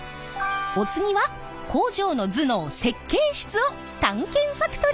お次は工場の頭脳設計室を探検ファクトリー。